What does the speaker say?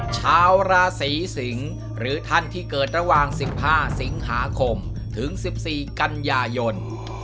ชาวราศรีสิงห์หรือท่านที่เกิดระหว่างสิบห้าสิงหาคมถึงสิบสี่กัญญายน